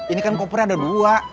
ini kan kopernya ada dua